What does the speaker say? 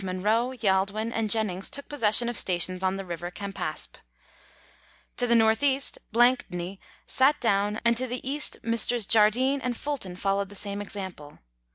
Munro, Yaldwyn, and Jennings took possession of stations on the River Campaspe. To the N.E. 2 dney sat down and to the E. Messrs. Jardine and Fulton followed the same example.